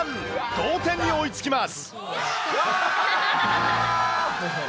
同点に追いつきます。